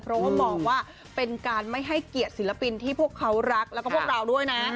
เพราะว่ามองว่าเป็นการไม่ให้เกียรติศิลปินที่พวกเขารักแล้วก็พวกเราด้วยนะ